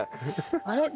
あれ？